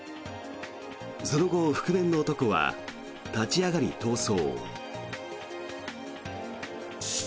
その後、覆面の男は立ち上がり逃走。